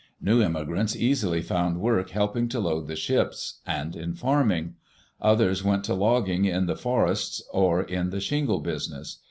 New immigrants easily found work helping to load the ships, and in farming. Others went to logging in the for ests, or in the shingle business.